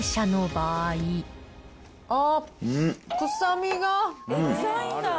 あー、臭みが。